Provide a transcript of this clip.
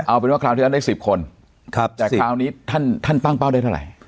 เอาเป็นว่าคราวที่แล้วได้๑๐คนแต่คราวนี้ท่านท่านตั้งเป้าได้เท่าไหร่